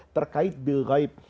terkait bil gaib